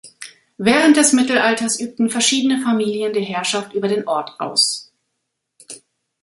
Während des Mittelalters übten verschiedene Familien die Herrschaft über den Ort aus.